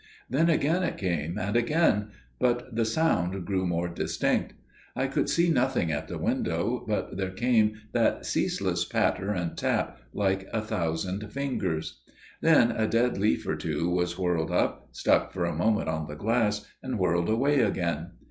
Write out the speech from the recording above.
Then again it came, and again, but the sound grew more distinct. I could see nothing at the window, but there came that ceaseless patter and tap, like a thousand fingers. Then a dead leaf or two was whirled up, stuck for a moment on the glass, and whirled away again.